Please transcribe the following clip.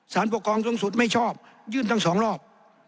ปกครองสูงสุดไม่ชอบยื่นทั้งสองรอบ